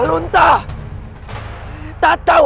kapan dalam hidupku